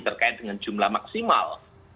terkait dengan jumlah maksimal